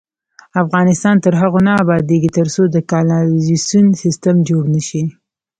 افغانستان تر هغو نه ابادیږي، ترڅو د کانالیزاسیون سیستم جوړ نشي.